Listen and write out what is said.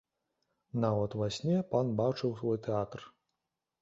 Нават ва сне пан бачыў свой тэатр.